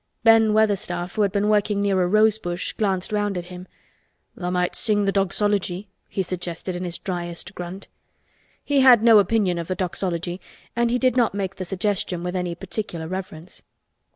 Ben Weatherstaff, who had been working near a rose bush, glanced round at him. "Tha' might sing th' Doxology," he suggested in his dryest grunt. He had no opinion of the Doxology and he did not make the suggestion with any particular reverence.